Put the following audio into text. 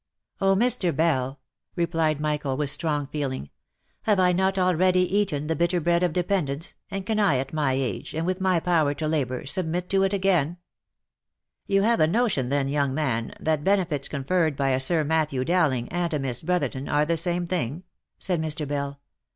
" Oh, Mr. Bell !" replied Michael, with strong feeling, " have I not already eaten the bitter bread of dependence, and can I, at my age, and with my power to labour, submit to it again V " You have a notion then, young man, that benefits conferred by a Sir Matthew Dowling, and a Miss Brotherton, are the same thing?" said Mr. Bell.